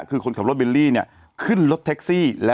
คือคนขับรถเบลลี่เนี่ย